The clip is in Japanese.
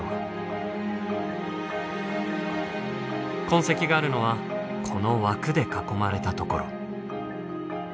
痕跡があるのはこの枠で囲まれたところ。